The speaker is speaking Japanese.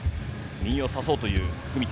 右を差そうという文田。